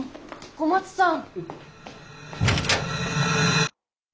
小松さん！